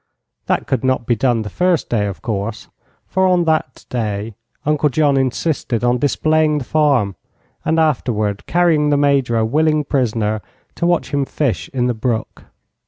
That could not be done the first day, of course, for on that day Uncle John insisted on displaying the farm and afterward carrying the Major a willing prisoner to watch him fish in the brook.